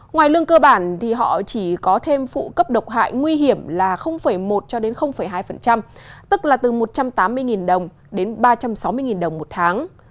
ngoài lương cơ bản thì họ chỉ có thêm phụ cấp độc hại nguy hiểm là một hai tức là từ một trăm tám mươi đồng đến ba trăm sáu mươi đồng một tháng